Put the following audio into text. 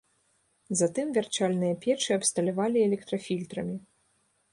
Затым вярчальныя печы абсталявалі электрафільтрамі.